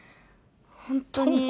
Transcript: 本当に。